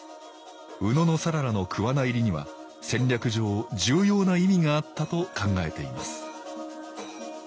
野讃良の桑名入りには戦略上重要な意味があったと考えています